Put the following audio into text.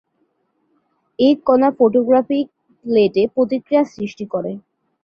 এ কণা ফটোগ্রাফিক প্লেটে প্রতিক্রিয়া সৃষ্টি করে।